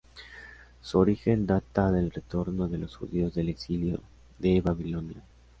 Su origen data del retorno de los judíos del exilio de Babilonia.